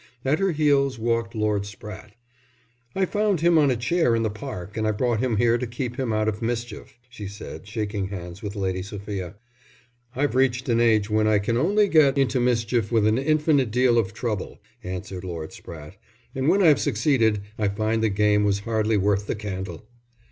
At her heels walked Lord Spratte. "I found him on a chair in the Park, and I brought him here to keep him out of mischief," she said, shaking hands with Lady Sophia. "I've reached an age when I can only get into mischief with an infinite deal of trouble," answered Lord Spratte, "and when I've succeeded, I find the game was hardly worth the candle."